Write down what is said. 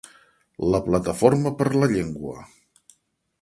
La Plataforma per la Llengua.